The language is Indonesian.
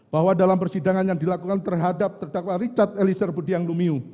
bahwa dalam persidangan yang dilakukan terhadap terdakwa richard eliezer budiang lumiu